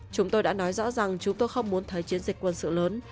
chúng tôi đã nói rõ rằng chúng tôi không muốn thấy chiến dịch quân sự lớn